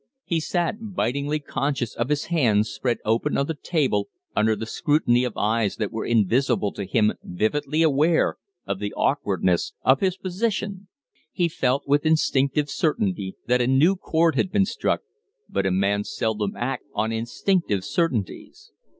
He sat bitingly conscious of his hands spread open on the table under the scrutiny of eyes that were invisible to him vividly aware of the awkwardness of his position. He felt with instinctive certainty that a new chord had been struck; but a man seldom acts on instinctive certainties.